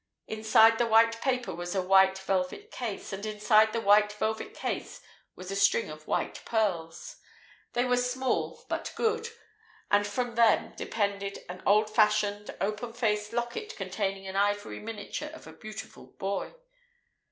Inside the white paper was a white velvet case, and inside the white velvet case was a string of white pearls. They were small, but good, and from them depended an old fashioned, open faced locket containing an ivory miniature of a beautiful boy.